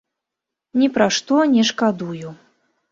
Ні пра што не шкадую.